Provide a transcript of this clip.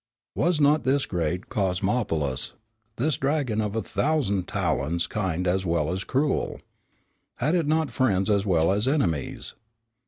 Was not this great Cosmopolis, this dragon of a thousand talons kind as well as cruel? Had it not friends as well as enemies?